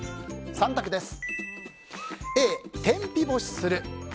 ３択です。